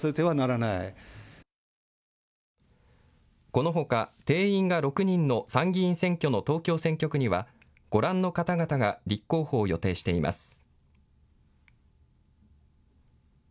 このほか定員が６人の参議院選挙の東京選挙区にはご覧の方々が立候補を予定しています。